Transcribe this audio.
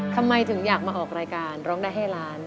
ทำไมถึงอยากมาออกรายการร้องได้ให้ล้าน